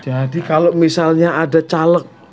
jadi kalau misalnya ada caleg